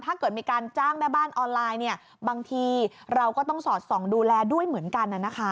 ถ้าเกิดมีการจ้างแม่บ้านออนไลน์บางทีเราก็ต้องสอดส่องดูแลด้วยเหมือนกัน